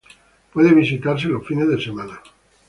Puede visitarse los fines de semana.